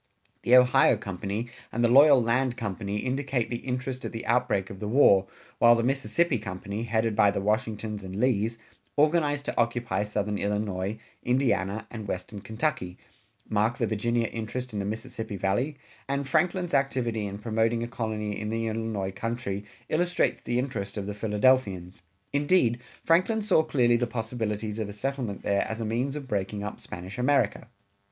The Ohio Company and the Loyal Land Company indicate the interest at the outbreak of the war, while the Mississippi Company, headed by the Washingtons and Lees, organized to occupy southern Illinois, Indiana, and western Kentucky, mark the Virginia interest in the Mississippi Valley, and Franklin's activity in promoting a colony in the Illinois country illustrates the interest of the Philadelphians. Indeed, Franklin saw clearly the possibilities of a settlement there as a means of breaking up Spanish America.